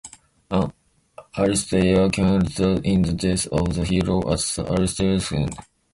An aristeia can result in the death of the hero at the aristeia's end.